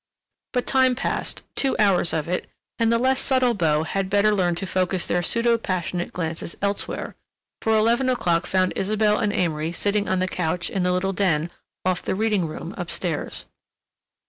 But time passed, two hours of it, and the less subtle beaux had better learned to focus their pseudo passionate glances elsewhere, for eleven o'clock found Isabelle and Amory sitting on the couch in the little den off the reading room up stairs.